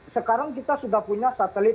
sekarang kita sudah punya satelit